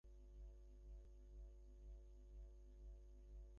তিনি দীন মোহাম্মদের সঙ্গে কথা বলে সাম্পানে করে কয়লার ডিপোর দিকে যান।